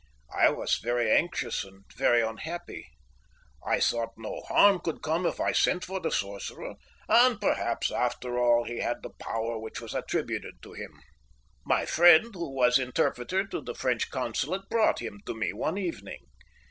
I was very anxious and very unhappy. I thought no harm could come if I sent for the sorcerer, and perhaps after all he had the power which was attributed to him. My friend, who was interpreter to the French Consulate, brought him to me one evening.